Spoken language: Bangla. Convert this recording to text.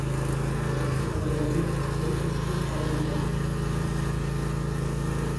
তাদের ব্যবহৃত ভাষাই পশ্চিম আর্মেনীয় ভাষা।